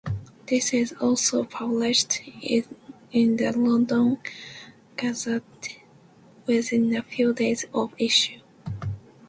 This is also published in the "London Gazette" within a few days of issue.